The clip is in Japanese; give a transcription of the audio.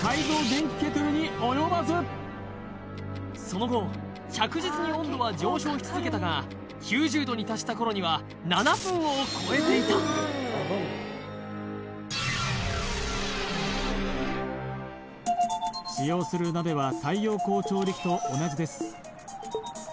電気ケトルに及ばずその後着実に温度は上昇し続けたが９０℃に達した頃には７分を超えていた使用する鍋は太陽光調理器と同じです